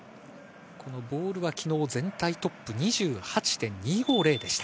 ボールは昨日、全体トップの２８．２５０でした。